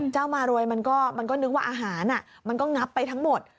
มารวยมันก็นึกว่าอาหารมันก็งับไปทั้งหมด